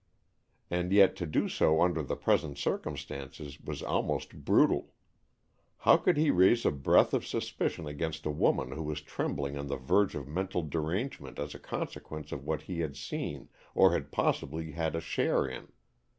And yet to do so under the present circumstances was almost brutal. How could he raise a breath of suspicion against a woman who was trembling on the verge of mental derangement as a consequence of what he had seen or had possibly had a share in?